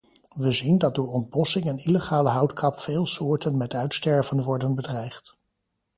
We zien dat door ontbossing en illegale houtkap veel soorten met uitsterven worden bedreigd.